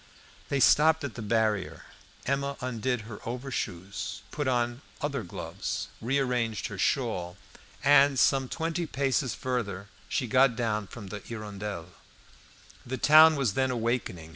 They stopped at the barrier; Emma undid her overshoes, put on other gloves, rearranged her shawl, and some twenty paces farther she got down from the "Hirondelle." The town was then awakening.